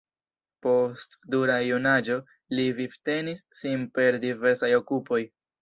Post dura junaĝo li vivtenis sin per diversaj okupoj.